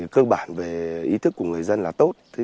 cơ bản về ý thức của người dân là tốt